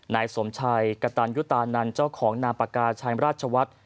นายสมชัยกระตันยุตานันเจ้าของนามปากกาชัยราชวัฒน์